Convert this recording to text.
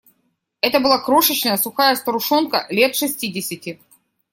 Это была крошечная, сухая старушонка, лет шестидесяти.